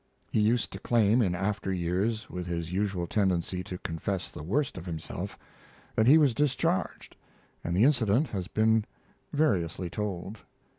He used to claim, in after years, with his usual tendency to confess the worst of himself, that he was discharged, and the incident has been variously told.